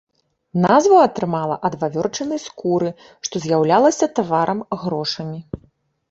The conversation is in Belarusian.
Назву атрымала ад вавёрчынай скуры, што з'яўлялася таварам-грошамі.